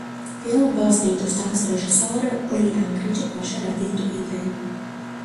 Filma balstīta uz tās režisora Lī Ankriča paša radītu ideju.